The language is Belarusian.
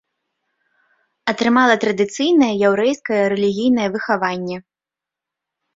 Атрымала традыцыйнае яўрэйскае рэлігійнае выхаванне.